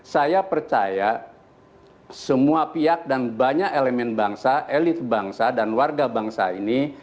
saya percaya semua pihak dan banyak elemen bangsa elit bangsa dan warga bangsa ini